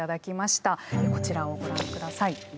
こちらをご覧ください。